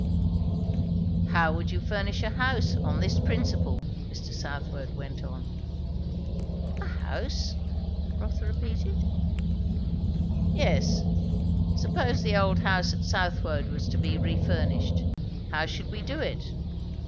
"How would you furnish a house, on this principle?" Mr. Southwode went on. "A house?" Rotha repeated. "Yes. Suppose the old house at Southwode was to be refurnished; how should we do it?